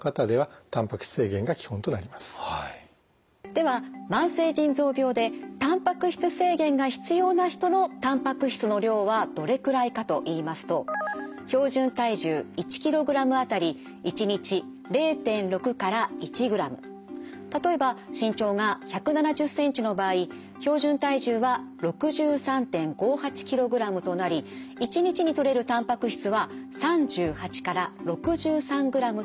では慢性腎臓病でたんぱく質制限が必要な人のたんぱく質の量はどれくらいかといいますと例えば身長が１７０ｃｍの場合標準体重は６３．５８ｋｇとなり１日にとれるたんぱく質は３８から６３ｇとなります。